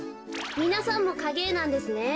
みなさんもかげえなんですね。